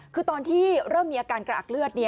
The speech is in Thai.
คือตอนที่เริ่มมีอาการกระอักเลือด